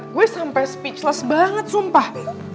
gue sampai speechless banget sumpah